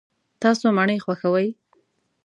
تاسو مڼې خوښوئ؟